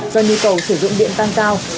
do nhu cầu sử dụng điện tăng cao